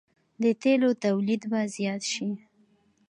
د تیلو تولید به زیات شي.